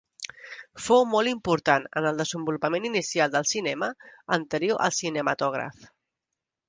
Fou molt important en el desenvolupament inicial del cinema, anterior al cinematògraf.